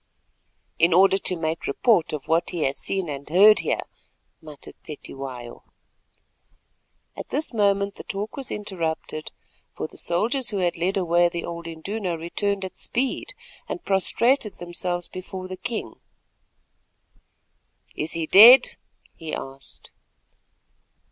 "In order to make report of what he has seen and learned here," muttered Cetywayo. At this moment the talk was interrupted, for the soldiers who had led away the old Induna returned at speed, and prostrated themselves before the king. "Is he dead?" he asked.